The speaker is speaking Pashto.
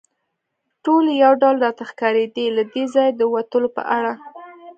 ټولې یو ډول راته ښکارېدې، له دې ځایه د وتلو په اړه.